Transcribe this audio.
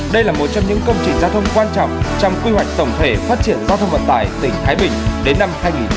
đây là một trong những công trình giao thông quan trọng trong quy hoạch tổng thể phát triển giao thông vận tải tỉnh thái bình đến năm hai nghìn ba mươi